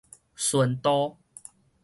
純度